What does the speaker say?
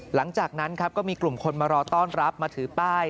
หลังจากนั้นครับก็มีกลุ่มคนมารอต้อนรับมาถือป้าย